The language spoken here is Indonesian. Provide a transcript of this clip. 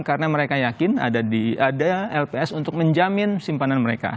karena mereka yakin ada lps untuk menjamin simpanan mereka